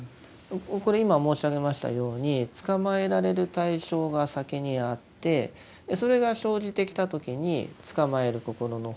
これ今申し上げましたようにつかまえられる対象が先にあってそれが生じてきた時につかまえる心の方が生じていると。